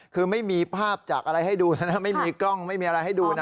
คือไม่มีภาพจากอะไรให้ดูนะไม่มีกล้องไม่มีอะไรให้ดูนะ